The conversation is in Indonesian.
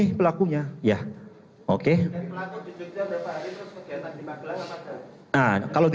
jadi pelaku jujurnya berapa hari terus kegiatan lima gelang apa lima hari